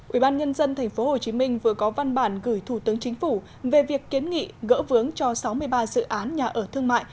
ủy ban nhân dân tp hcm vừa có văn bản gửi thủ tướng chính phủ về việc kiến nghị gỡ vướng cho sáu mươi ba dự án nhà ở thương mại